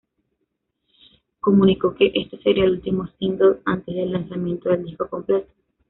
Comunicó que este sería el último single antes del lanzamiento del disco completo.